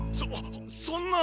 そそんな！